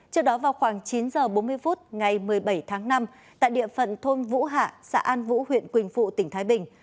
trước đó vào khoảng chín h bốn mươi phút ngày một mươi bảy tháng năm tại địa phận thôn vũ hạ xã an vũ huyện quỳnh phụ tỉnh thái bình